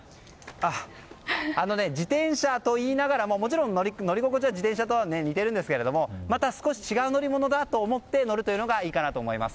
自転車といいながらももちろん乗り心地は自転車と似てるんですがまた少し違う乗り物だと思って乗るというのがいいかなと思います。